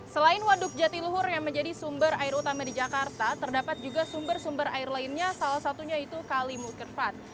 selain waduk jatiluhur yang menjadi sumber air utama di jakarta terdapat juga sumber sumber air lainnya salah satunya itu kali mukerfat